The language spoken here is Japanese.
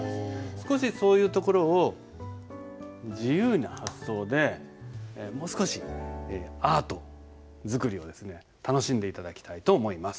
少しそういうところを自由な発想でもう少しアート作りを楽しんで頂きたいと思います。